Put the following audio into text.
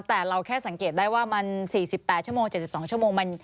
แต่เราแค่สังเกตได้ว่ามัน๔๘ชั่วโมง๗๒ชั่วโมง